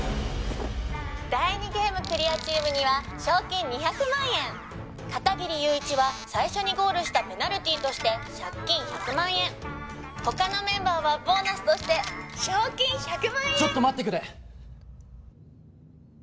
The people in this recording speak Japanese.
「第２ゲームクリアチームには賞金２００万円」「片切友一は最初にゴールしたペナルティーとして借金１００万円」「他のメンバーはボーナスとして賞金１００万円」ちょっと待ってくれ！